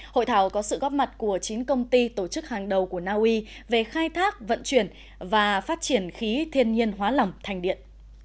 hội thảo có sự góp mặt của chín công ty tổ chức hàng đầu của naui về khai thác vận chuyển và phát triển khí thiên nhiên hóa lỏng thành điện